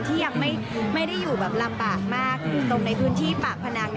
ที่ยังไม่ได้อยู่แบบลำบากมากอยู่ตรงในพื้นที่ปากพนัง